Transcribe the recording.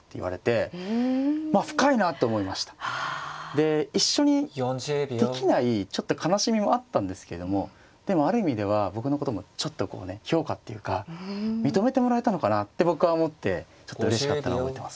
で一緒にできないちょっと悲しみもあったんですけどもでもある意味では僕のこともちょっとこうね評価っていうか認めてもらえたのかなって僕は思ってちょっとうれしかったのは覚えてますね。